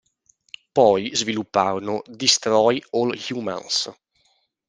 Poi svilupparono "Destroy All Humans!